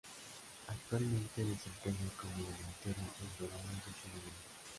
Actualmente se desempeña como delantero en Dorados de Sinaloa.